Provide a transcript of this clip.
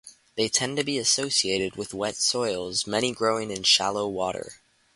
They tend to be associated with wet soils, many growing in shallow water.